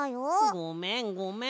ごめんごめん！